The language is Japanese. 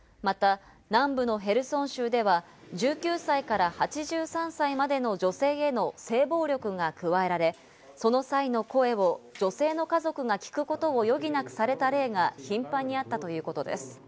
また、南部のヘルソン州では１９歳から８３歳までの女性への性暴力が加えられ、その際の声を女性の家族が聞くことを余儀なくされた例が頻繁にあったということです。